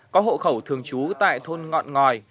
có hộ khẩu thường trú tại thôn ngọt ngòi